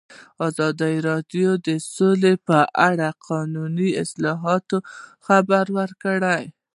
ازادي راډیو د سوله په اړه د قانوني اصلاحاتو خبر ورکړی.